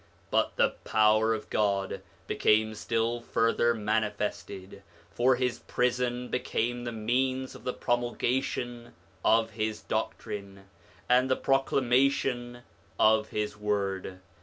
But the power of God became still further manifested, for his prison became the means of the promulgation of his doctrine, and the proclamation of his word.